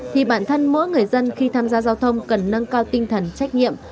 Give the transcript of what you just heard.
thì bản thân mỗi người dân khi tham gia giao thông cần nâng cao tinh thần trách nhiệm